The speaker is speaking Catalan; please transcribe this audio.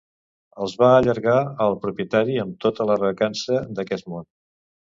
Els va allargar al propietari amb tota la recança d'aquest món.